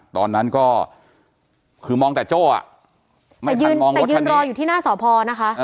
ตอนนั้นก็คือมองแต่โจ้อ่ะไม่ทันมองรถทะเนตแต่ยืนรออยู่ที่หน้าสอพรนะคะ